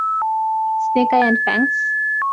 Snake eye and fangs?